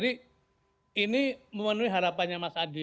jadi ini memenuhi harapannya mas adi